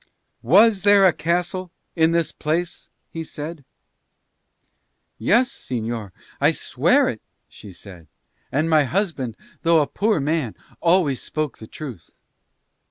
"Was there a castle in this place?" he said. "Yes, señor. I swear it," she said. "And my husband, though a poor man, always spoke the truth."